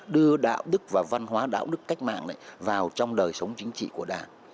đưa đạo đức và văn hóa đạo đức cách mạng này vào trong đời sống chính trị của đảng